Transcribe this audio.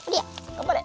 がんばれ！